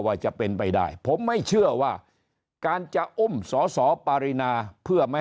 ว่าจะเป็นไปได้ผมไม่เชื่อว่าการจะอุ้มสอสอปารินาเพื่อไม่